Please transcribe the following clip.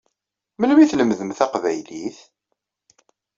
Memli i tlemdem taqbaylit?